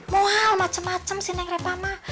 mau hal macem macem si neng repah mah